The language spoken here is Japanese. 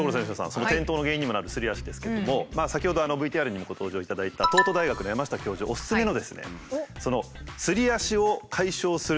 その転倒の原因にもなるすり足ですけれども先ほどＶＴＲにもご登場いただいた東都大学の山下教授おすすめのですねいいじゃないですか！